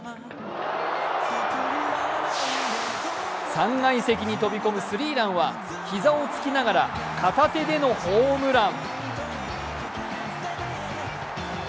３階席に飛び込むスリーランは膝をつきながら片手でのホームラン。